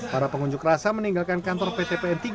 para pengunjuk rasa meninggalkan kantor ptpn tiga